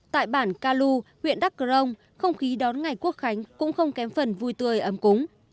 tại bản kalu huyện đắc cờ rông không khí đón ngày quốc khánh cũng không kém phần vui tươi ấm cúng